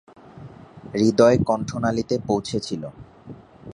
হৃদয় কণ্ঠনালীতে পৌঁছেছিল।